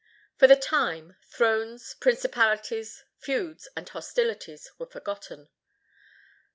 For the time, thrones, principalities, feuds and hostilities were forgotten.